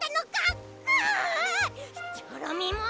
チョロミーも。